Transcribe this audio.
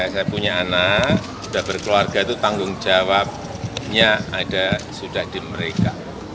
saya punya anak sudah berkeluarga itu tanggung jawabnya ada sudah di mereka